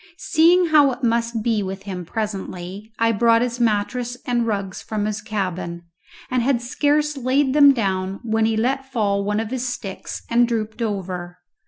Seeing how it must be with him presently, I brought his mattress and rugs from his cabin, and had scarce laid them down when he let fall one of his sticks and drooped over.